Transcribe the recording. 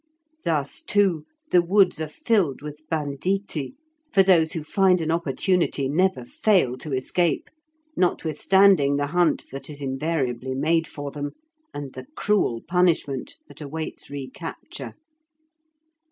Thus, too, the woods are filled with banditti, for those who find an opportunity never fail to escape, notwithstanding the hunt that is invariably made for them, and the cruel punishment that awaits recapture.